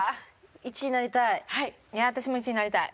私も１位になりたい。